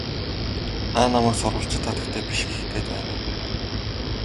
Та намайг сурвалжит хатагтай биш гэх гээд байна уу?